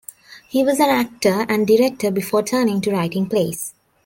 He was an actor and director before turning to writing plays.